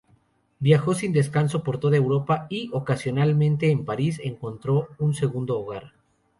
Viajó sin descanso por toda Europa y, ocasionalmente, en París, encontró un segundo hogar.